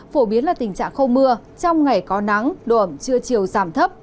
phổ biến là tình trạng không mưa trong ngày có nắng độ ẩm trưa chiều giảm thấp